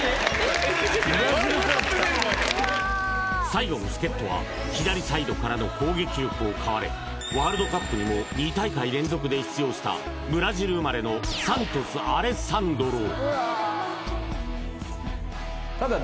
最後の助っ人は左サイドからの攻撃力を買われワールドカップにも２大会連続で出場したブラジル生まれの三都主アレサンドロ